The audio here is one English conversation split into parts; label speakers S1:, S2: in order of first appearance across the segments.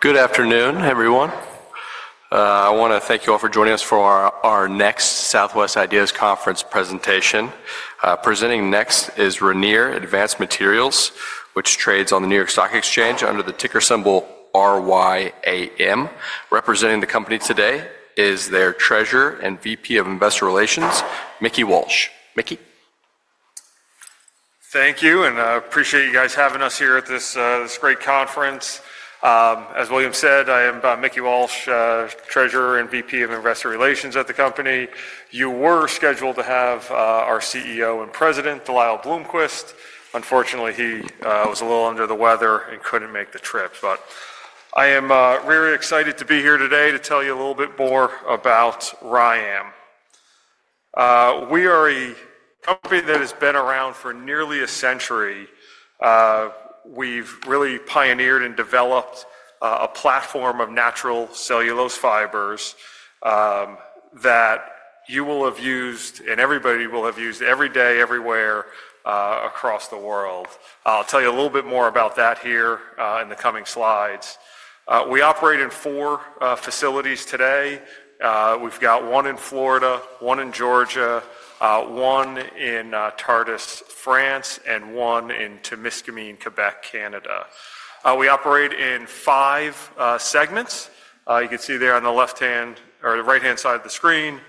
S1: Good afternoon, everyone. I want to thank you all for joining us for our next Southwest Ideas Conference presentation. Presenting next is Rayonier Advanced Materials, which trades on the New York Stock Exchange under the ticker symbol RYAM. Representing the company today is their Treasurer and VP of Investor Relations, Mickey Walsh. Mickey.
S2: Thank you, and I appreciate you guys having us here at this great conference. As William said, I am Mickey Walsh, Treasurer and VP of Investor Relations at the company. You were scheduled to have our CEO and President, De Lyle Bloomquist. Unfortunately, he was a little under the weather and could not make the trip. I am really excited to be here today to tell you a little bit more about RYAM. We are a company that has been around for nearly a century. We have really pioneered and developed a platform of natural cellulose fibers that you will have used, and everybody will have used every day, everywhere across the world. I will tell you a little bit more about that here in the coming slides. We operate in four facilities today. We have one in Florida, one in Georgia, one in Tardis, France, and one in Temiscaming, Québec, Canada. We operate in five segments. You can see there on the left hand or the right hand side of the screen,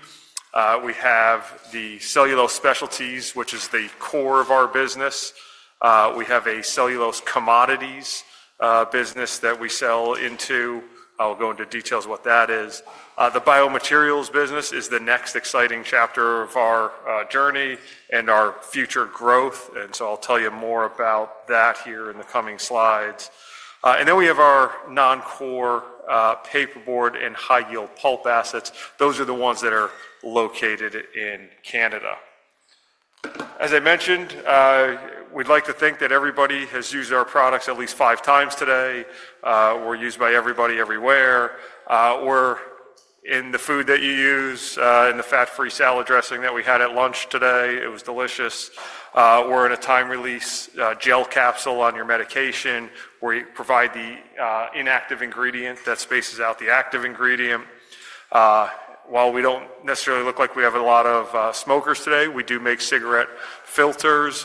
S2: we have the cellulose specialties, which is the core of our business. We have a cellulose commodities business that we sell into. I'll go into details what that is. The biomaterials business is the next exciting chapter of our journey and our future growth. I'll tell you more about that here in the coming slides. We have our non-core paperboard and high yield pulp assets. Those are the ones that are located in Canada. As I mentioned, we'd like to think that everybody has used our products at least 5x today. We're used by everybody everywhere. We're in the food that you use, in the fat free salad dressing that we had at lunch today. It was delicious. We're in a time release gel capsule on your medication, where you provide the inactive ingredient that spaces out the active ingredient. While we don't necessarily look like we have a lot of smokers today, we do make cigarette filters.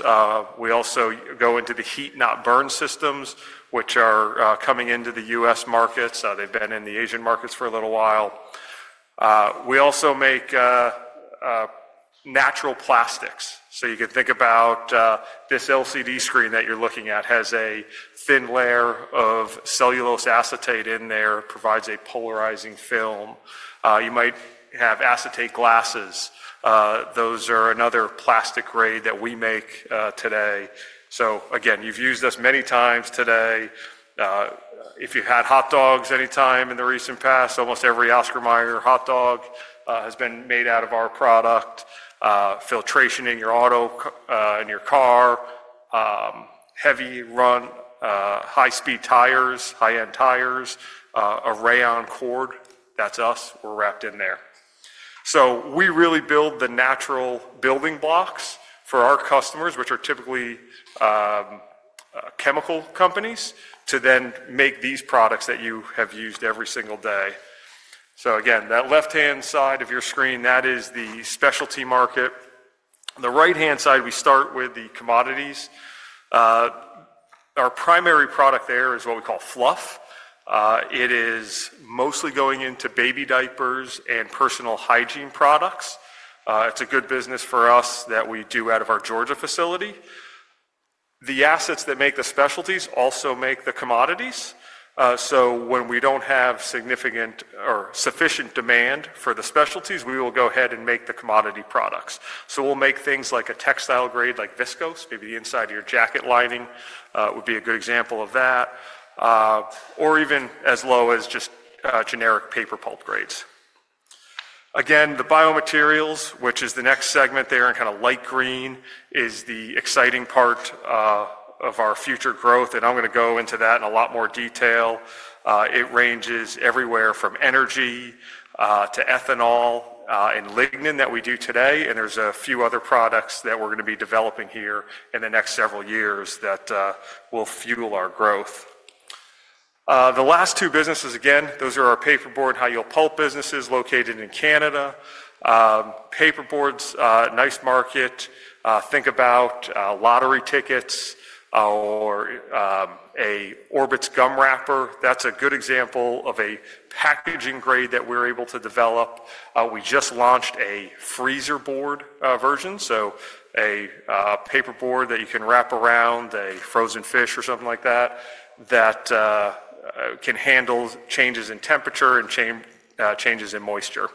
S2: We also go into the heat not burn systems, which are coming into the U.S. markets. They've been in the Asian markets for a little while. We also make natural plastics. You can think about this LCD screen that you're looking at has a thin layer of cellulose acetate in there, provides a polarizing film. You might have acetate glasses. Those are another plastic grade that we make today. Again, you've used this many times today. If you've had hot dogs anytime in the recent past, almost every Oscar Mayer hot dog has been made out of our product. Filtration in your auto, in your car, heavy run, high speed tires, high end tires, a rayon cord. That's us. We're wrapped in there. We really build the natural building blocks for our customers, which are typically chemical companies, to then make these products that you have used every single day. That left hand side of your screen, that is the specialty market. On the right hand side, we start with the commodities. Our primary product there is what we call fluff. It is mostly going into baby diapers and personal hygiene products. It's a good business for us that we do out of our Georgia facility. The assets that make the specialties also make the commodities. When we don't have significant or sufficient demand for the specialties, we will go ahead and make the commodity products. We'll make things like a textile grade like viscose, maybe the inside of your jacket lining would be a good example of that, or even as low as just generic paper pulp grades. Again, the biomaterials, which is the next segment there in kind of light green, is the exciting part of our future growth. I'm going to go into that in a lot more detail. It ranges everywhere from energy to ethanol and lignin that we do today. There's a few other products that we're going to be developing here in the next several years that will fuel our growth. The last two businesses, again, those are our paperboard, high-yield pulp businesses located in Canada. Paperboard is a nice market. Think about lottery tickets or an Orbit's gum wrapper. That's a good example of a packaging grade that we're able to develop. We just launched a freezer board version, so a paperboard that you can wrap around a frozen fish or something like that, that can handle changes in temperature and changes in moisture.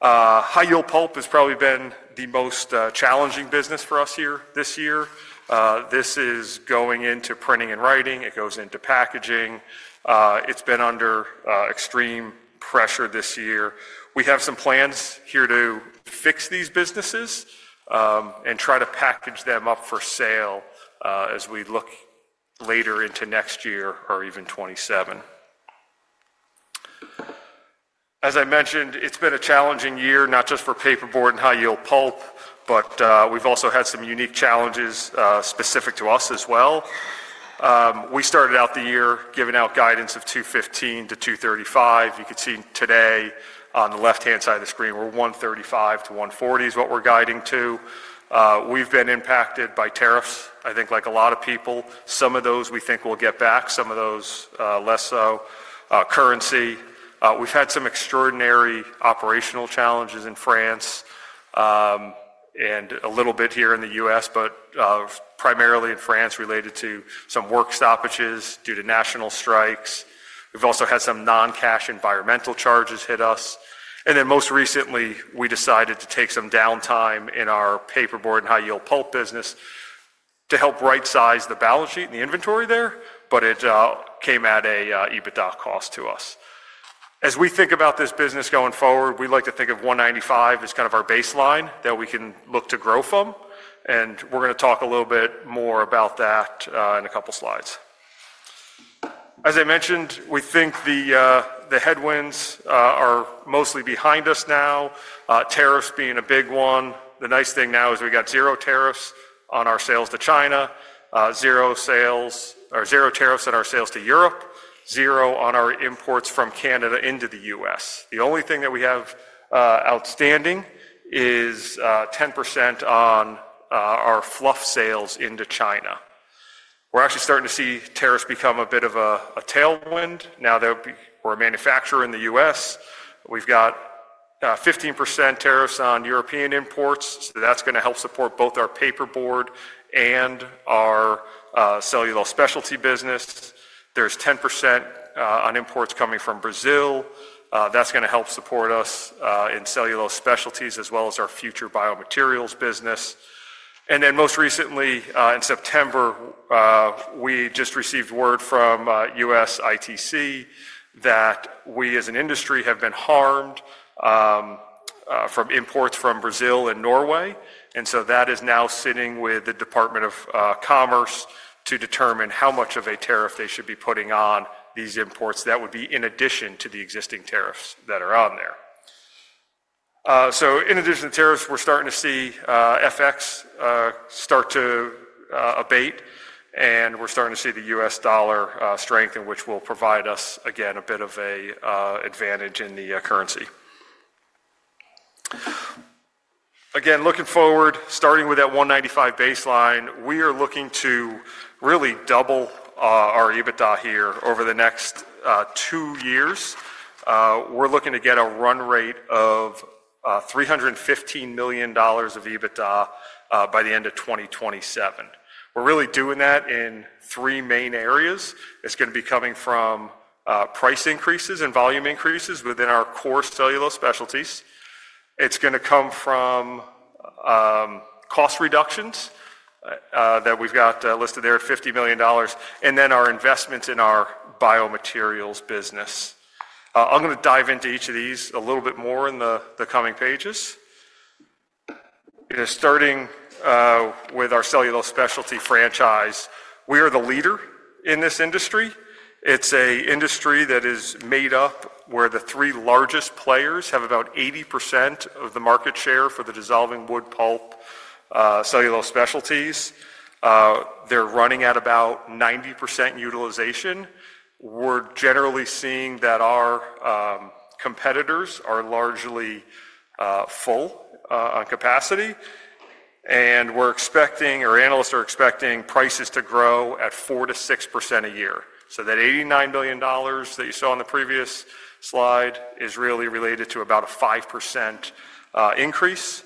S2: High-yield pulp has probably been the most challenging business for us here this year. This is going into printing and writing. It goes into packaging. It's been under extreme pressure this year. We have some plans here to fix these businesses and try to package them up for sale as we look later into next year or even 2027. As I mentioned, it's been a challenging year, not just for paperboard and high-yield pulp, but we've also had some unique challenges specific to us as well. We started out the year giving out guidance of $215-$235. You can see today on the left hand side of the screen, we're $135-$140 is what we're guiding to. We've been impacted by tariffs, I think like a lot of people. Some of those we think we'll get back, some of those less so. Currency. We've had some extraordinary operational challenges in France and a little bit here in the U.S., but primarily in France related to some work stoppages due to national strikes. We've also had some non-cash environmental charges hit us. Most recently, we decided to take some downtime in our paperboard and high-yield pulp business to help right size the balance sheet and the inventory there, but it came at an even cost to us. As we think about this business going forward, we like to think of $195 as kind of our baseline that we can look to grow from. We are going to talk a little bit more about that in a couple of slides. As I mentioned, we think the headwinds are mostly behind us now, tariffs being a big one. The nice thing now is we have zero tariffs on our sales to China, zero tariffs on our sales to Europe, zero on our imports from Canada into the U.S. The only thing that we have outstanding is 10% on our fluff sales into China. We are actually starting to see tariffs become a bit of a tailwind. Now that we are a manufacturer in the U.S., we have 15% tariffs on European imports. That is going to help support both our paperboard and our cellulose specialties business. There is 10% on imports coming from Brazil. That is going to help support us in cellulose specialties as well as our future biomaterials business. Most recently, in September, we just received word from the U.S. International Trade Commission that we as an industry have been harmed from imports from Brazil and Norway. That is now sitting with the U.S. Department of Commerce to determine how much of a tariff they should be putting on these imports that would be in addition to the existing tariffs that are on there. In addition to tariffs, we're starting to see FX start to abate, and we're starting to see the U.S. dollar strengthen, which will provide us, again, a bit of an advantage in the currency. Again, looking forward, starting with that 195 baseline, we are looking to really double our EBITDA here over the next two years. We're looking to get a run rate of $315 million of EBITDA by the end of 2027. We're really doing that in three main areas. It's going to be coming from price increases and volume increases within our core cellulose specialties. It's going to come from cost reductions that we've got listed there at $50 million, and then our investments in our biomaterials business. I'm going to dive into each of these a little bit more in the coming pages. Starting with our cellulose specialty franchise, we are the leader in this industry. It's an industry that is made up where the three largest players have about 80% of the market share for the dissolving wood pulp cellulose specialties. They're running at about 90% utilization. We're generally seeing that our competitors are largely full on capacity. We're expecting, or analysts are expecting, prices to grow at 4%-6% a year. That $89 million that you saw on the previous slide is really related to about a 5% increase.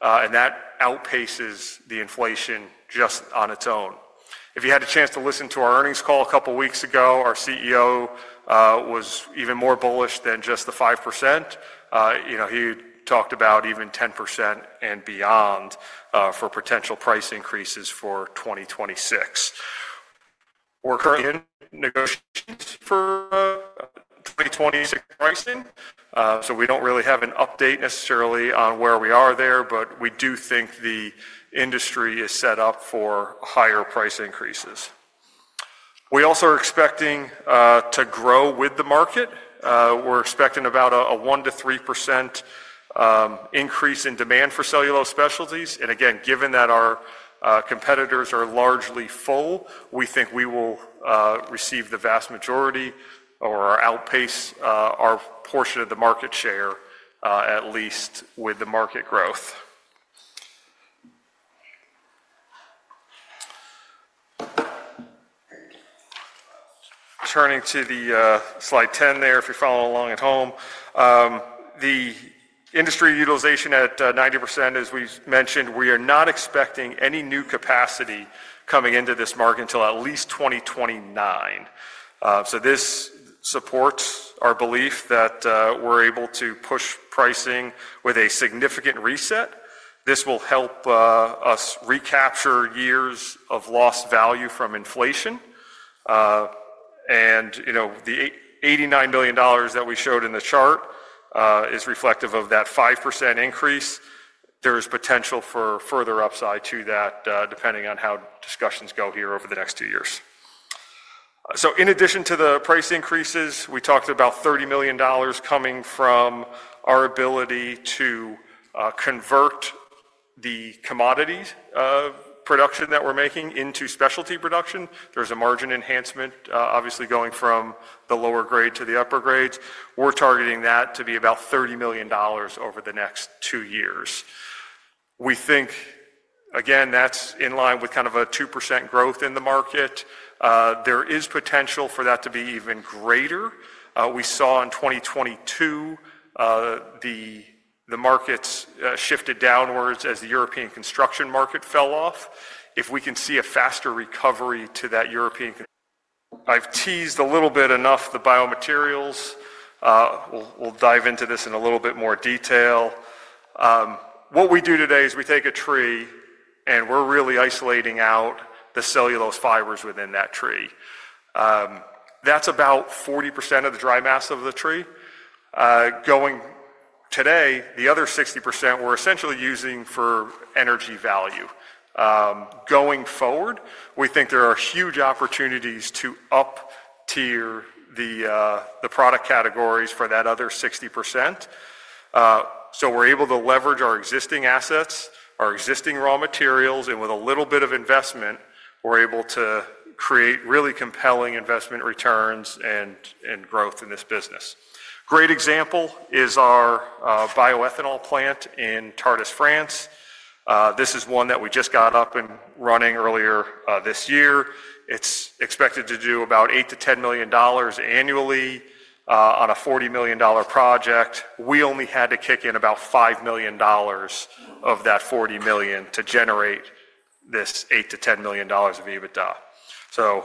S2: That outpaces the inflation just on its own. If you had a chance to listen to our earnings call a couple of weeks ago, our CEO was even more bullish than just the 5%. He talked about even 10% and beyond for potential price increases for 2026. We are currently in negotiations for 2026 pricing. We do not really have an update necessarily on where we are there, but we do think the industry is set up for higher price increases. We also are expecting to grow with the market. We are expecting about a 1%-3% increase in demand for cellulose specialties. Again, given that our competitors are largely full, we think we will receive the vast majority or outpace our portion of the market share at least with the market growth. Turning to slide 10 there, if you're following along at home, the industry utilization at 90%, as we mentioned, we are not expecting any new capacity coming into this market until at least 2029. This supports our belief that we're able to push pricing with a significant reset. This will help us recapture years of lost value from inflation. The $89 million that we showed in the chart is reflective of that 5% increase. There is potential for further upside to that depending on how discussions go here over the next two years. In addition to the price increases, we talked about $30 million coming from our ability to convert the commodities production that we're making into specialty production. There's a margin enhancement, obviously, going from the lower grade to the upper grades. We're targeting that to be about $30 million over the next two years. We think, again, that's in line with kind of a 2% growth in the market. There is potential for that to be even greater. We saw in 2022, the markets shifted downwards as the European construction market fell off. If we can see a faster recovery to that European. I've teased a little bit enough the biomaterials. We'll dive into this in a little bit more detail. What we do today is we take a tree and we're really isolating out the cellulose fibers within that tree. That's about 40% of the dry mass of the tree. Going today, the other 60% we're essentially using for energy value. Going forward, we think there are huge opportunities to up tier the product categories for that other 60%. We're able to leverage our existing assets, our existing raw materials, and with a little bit of investment, we're able to create really compelling investment returns and growth in this business. A great example is our bioethanol plant in Tardis, France. This is one that we just got up and running earlier this year. It's expected to do about $8-$10 million annually on a $40 million project. We only had to kick in about $5 million of that $40 million to generate this $8-$10 million of EBITDA.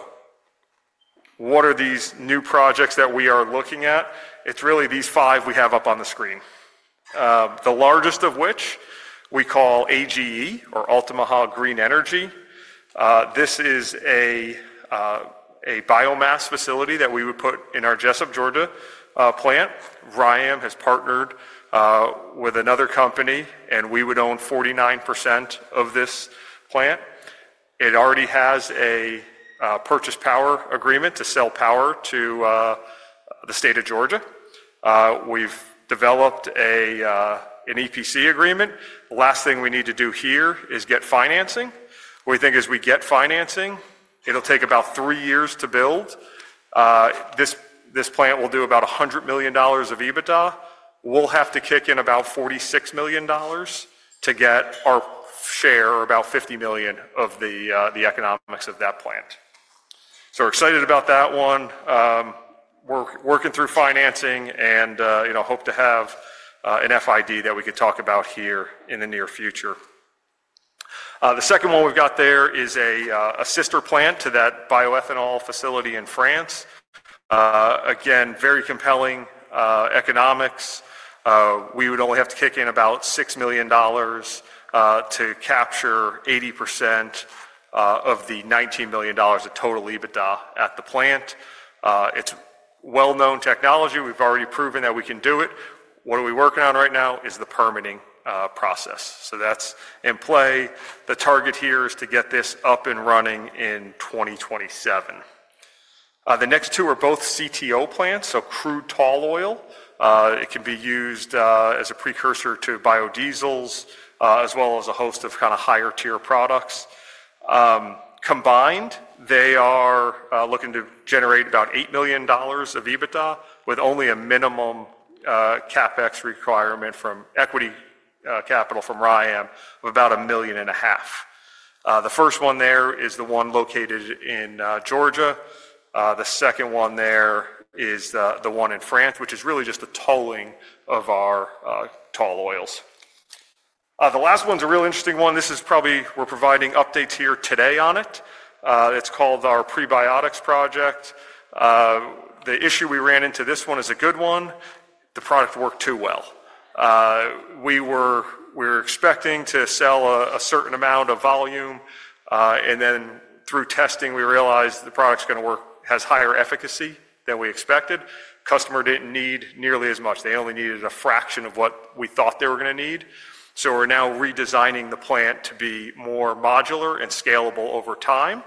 S2: What are these new projects that we are looking at? It's really these five we have up on the screen. The largest of which we call AGE or Altamaha Green Energy. This is a biomass facility that we would put in our Jesup, Georgia plant. RYAM has partnered with another company, and we would own 49% of this plant. It already has a purchase power agreement to sell power to the state of Georgia. We have developed an EPC agreement. The last thing we need to do here is get financing. We think as we get financing, it will take about three years to build. This plant will do about $100 million of EBITDA. We will have to kick in about $46 million to get our share, about $50 million of the economics of that plant. We are excited about that one. We are working through financing and hope to have an FID that we could talk about here in the near future. The second one we have there is a sister plant to that bioethanol facility in France. Again, very compelling economics. We would only have to kick in about $6 million to capture 80% of the $19 million of total EBITDA at the plant. It is well-known technology. We have already proven that we can do it. What we are working on right now is the permitting process. That is in play. The target here is to get this up and running in 2027. The next two are both CTO plants, so crude tall oil. It can be used as a precursor to biodiesels as well as a host of kind of higher tier products. Combined, they are looking to generate about $8 million of EBITDA with only a minimum CapEx requirement from equity capital from Rayonier Advanced Materials of about $1.5 million. The first one there is the one located in Georgia. The second one there is the one in France, which is really just the tolling of our tall oils. The last one's a real interesting one. This is probably we're providing updates here today on it. It's called our Prebiotics Project. The issue we ran into this one is a good one. The product worked too well. We were expecting to sell a certain amount of volume. Then through testing, we realized the product's going to work, has higher efficacy than we expected. Customer didn't need nearly as much. They only needed a fraction of what we thought they were going to need. We are now redesigning the plant to be more modular and scalable over time.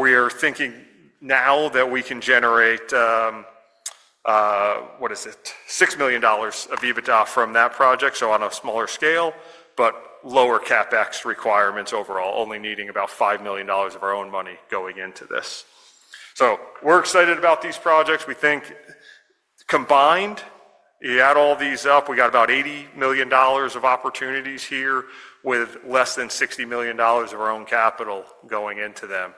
S2: We are thinking now that we can generate, what is it, $6 million of EBITDA from that project, on a smaller scale, but lower CapEx requirements overall, only needing about $5 million of our own money going into this. We are excited about these projects. We think combined, you add all these up, we got about $80 million of opportunities here with less than $60 million of our own capital going into them.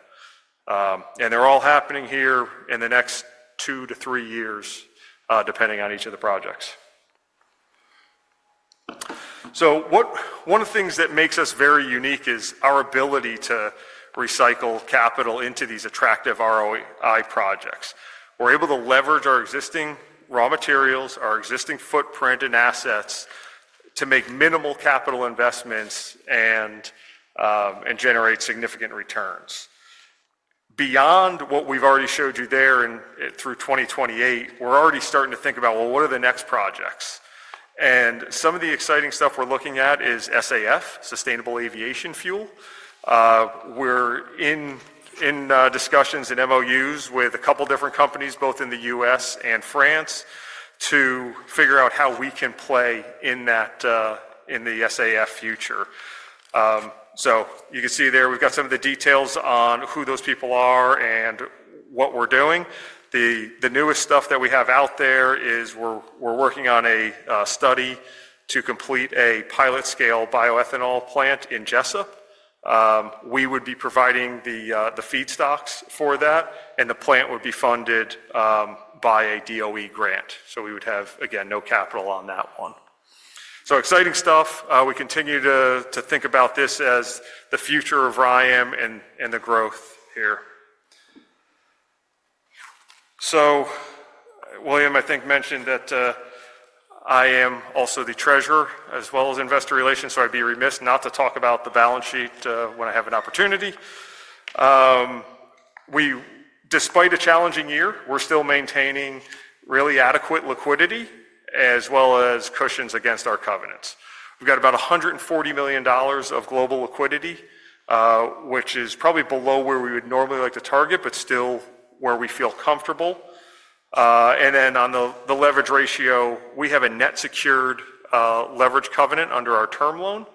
S2: They are all happening here in the next two to three years, depending on each of the projects. One of the things that makes us very unique is our ability to recycle capital into these attractive ROI projects. We are able to leverage our existing raw materials, our existing footprint and assets to make minimal capital investments and generate significant returns. Beyond what we have already showed you there through 2028, we are already starting to think about, what are the next projects? Some of the exciting stuff we are looking at is SAF, Sustainable Aviation Fuel. We're in discussions and MOUs with a couple of different companies, both in the U.S. and France, to figure out how we can play in the SAF future. You can see there we've got some of the details on who those people are and what we're doing. The newest stuff that we have out there is we're working on a study to complete a pilot-scale bioethanol plant in Jesup. We would be providing the feedstocks for that, and the plant would be funded by a DOE grant. We would have, again, no capital on that one. Exciting stuff. We continue to think about this as the future of Rayonier and the growth here. William, I think, mentioned that I am also the Treasurer as well as Investor Relations, so I'd be remiss not to talk about the balance sheet when I have an opportunity. Despite a challenging year, we're still maintaining really adequate liquidity as well as cushions against our covenants. We've got about $140 million of global liquidity, which is probably below where we would normally like to target, but still where we feel comfortable. On the leverage ratio, we have a net secured leverage covenant under our term loan.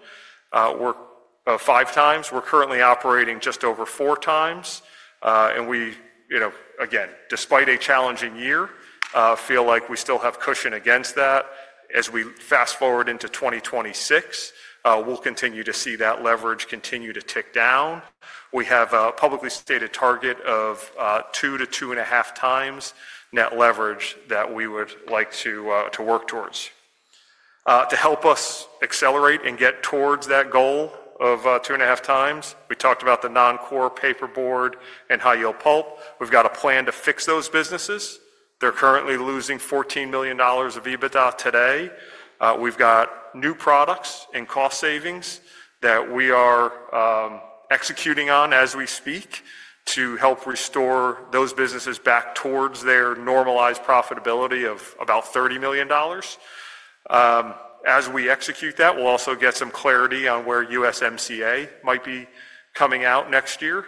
S2: We're five times. We're currently operating just over four times. We, again, despite a challenging year, feel like we still have cushion against that. As we fast forward into 2026, we'll continue to see that leverage continue to tick down. We have a publicly stated target of 2-2.5 times net leverage that we would like to work towards. To help us accelerate and get towards that goal of 2.5x, we talked about the non-core paperboard and high-yield pulp. We've got a plan to fix those businesses. They're currently losing $14 million of EBITDA today. We've got new products and cost savings that we are executing on as we speak to help restore those businesses back towards their normalized profitability of about $30 million. As we execute that, we'll also get some clarity on where USMCA might be coming out next year.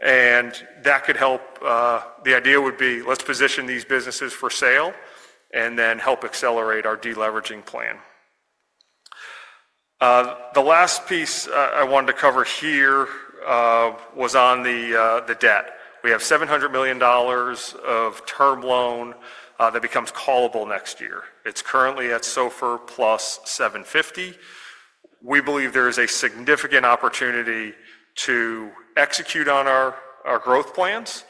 S2: That could help. The idea would be, let's position these businesses for sale and then help accelerate our deleveraging plan. The last piece I wanted to cover here was on the debt. We have $700 million of term loan that becomes callable next year. It's currently at SOFR plus 750 basis points. We believe there is a significant opportunity to execute on our growth plans,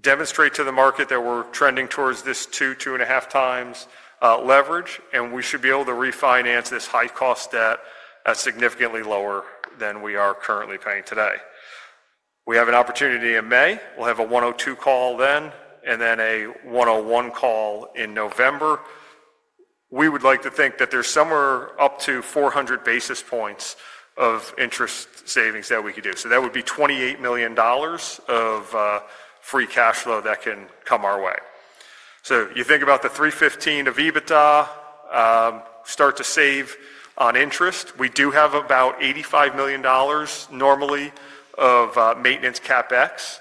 S2: demonstrate to the market that we're trending towards this 2-2.5 times leverage, and we should be able to refinance this high-cost debt at significantly lower than we are currently paying today. We have an opportunity in May. We'll have a 102 call then and then a 101 call in November. We would like to think that there's somewhere up to 400 basis points of interest savings that we could do. That would be $28 million of free cash flow that can come our way. You think about the 315 of EBITDA, start to save on interest. We do have about $85 million normally of maintenance CapEx.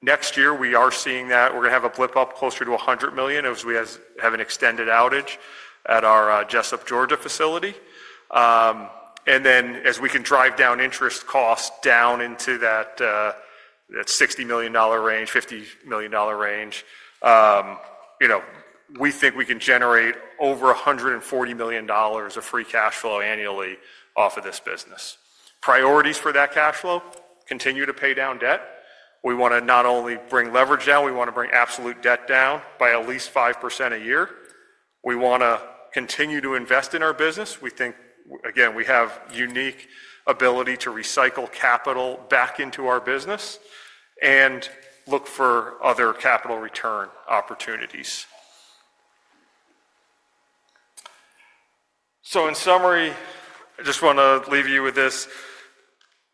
S2: Next year, we are seeing that we're going to have a blip up closer to $100 million as we have an extended outage at our Jesup, Georgia facility. As we can drive down interest costs down into that $60 million range, $50 million range, we think we can generate over $140 million of free cash flow annually off of this business. Priorities for that cash flow continue to pay down debt. We want to not only bring leverage down, we want to bring absolute debt down by at least 5% a year. We want to continue to invest in our business. We think, again, we have unique ability to recycle capital back into our business and look for other capital return opportunities. In summary, I just want to leave you with this.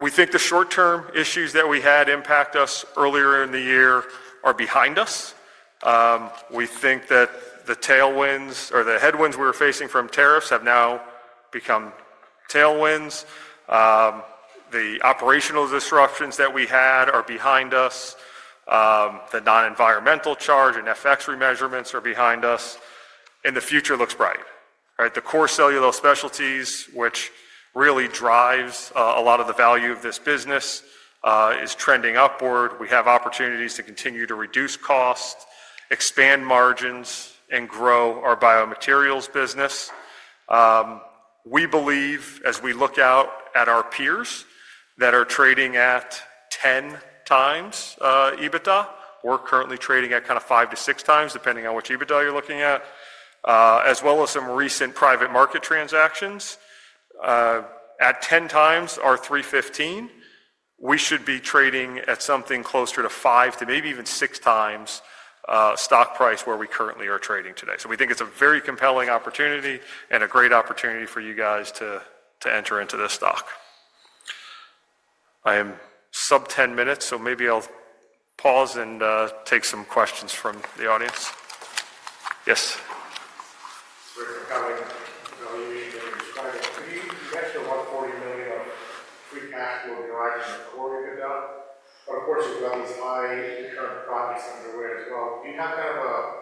S2: We think the short-term issues that we had impact us earlier in the year are behind us. We think that the tailwinds or the headwinds we were facing from tariffs have now become tailwinds. The operational disruptions that we had are behind us. The non-environmental charge and FX remeasurements are behind us. The future looks bright. The core cellulose specialties, which really drives a lot of the value of this business, is trending upward. We have opportunities to continue to reduce costs, expand margins, and grow our biomaterials business. We believe, as we look out at our peers that are trading at 10 times EBITDA, we're currently trading at kind of five to six times, depending on which EBITDA you're looking at, as well as some recent private market transactions. At 10 times our 315, we should be trading at something closer to five to maybe even six times stock price where we currently are trading today. We think it's a very compelling opportunity and a great opportunity for you guys to enter into this stock. I am sub-10 minutes, so maybe I'll pause and take some questions from the audience. Yes.
S3: We're kind of evaluating and describing. You mentioned the $140 million of free cash flow derived from the core EBITDA, but of course, there's all these high-return projects underway as well. Do you have kind of a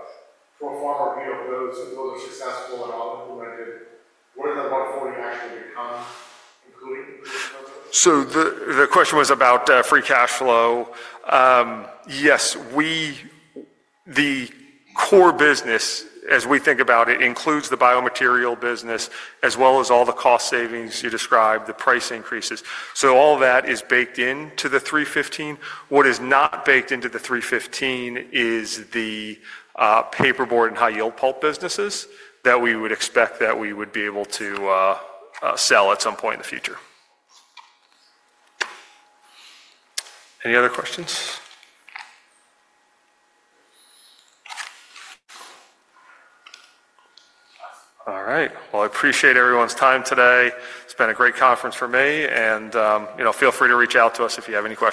S3: forefarmer view of those? If those are successful and all implemented, what does that 140 actually become, including?
S2: The question was about free cash flow. Yes. The core business, as we think about it, includes the biomaterial business as well as all the cost savings you described, the price increases. All that is baked into the 315. What is not baked into the 315 is the paperboard and high-yield pulp businesses that we would expect that we would be able to sell at some point in the future. Any other questions? All right. I appreciate everyone's time today. It's been a great conference for me. Feel free to reach out to us if you have any questions.